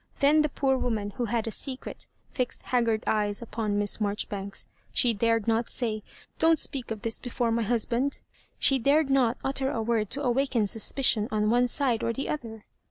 Then the poor woman, who had a secret, fixed haggard eyes upon Miss Marjoribanks. She dared i^ot say, " Don't speak of this before my husband." She dared not utter a word to awaken suspicion on one side or the other.